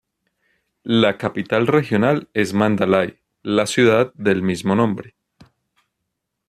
La capital regional es Mandalay, la ciudad del mismo nombre.